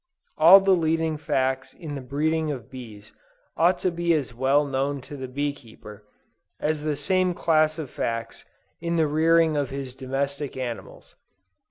All the leading facts in the breeding of bees ought to be as well known to the bee keeper, as the same class of facts in the rearing of his domestic animals.